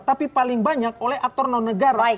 tapi paling banyak oleh aktor non negara